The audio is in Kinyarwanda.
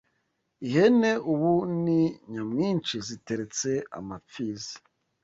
Ihene ubu ni nyamwinshi Ziteretse amapfizi: